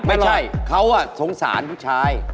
ไม่ใช่เขาสงสารผู้ชาย